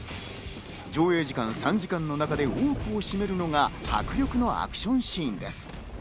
上映時間３時間の中で多くを占めるのが迫力のアクションシーンです。